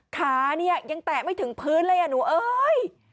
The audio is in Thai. ขาเนี่ยยังแตะไม่ถึงพื้นเลยอ่ะหนูเอ้ย